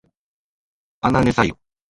あなねさゆ